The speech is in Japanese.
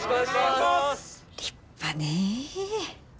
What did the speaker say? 立派ねえ。